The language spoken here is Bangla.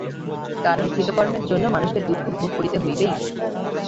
কারণ কৃতকর্মের জন্য মানুষকে দুঃখ ভোগ করিতে হইবেই।